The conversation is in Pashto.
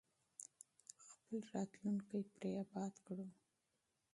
خپل راتلونکی پرې اباد کړو.